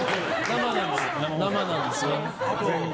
生なんですよ、全部。